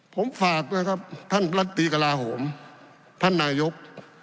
ผมฝากด้วยครับท่านรัฐปีกลาโหมท่านนายก